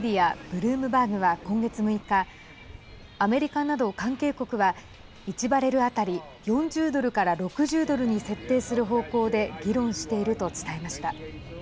ブルームバーグは、今月６日アメリカなど関係国は１バレル当たり４０ドルから６０ドルに設定する方向で議論していると伝えました。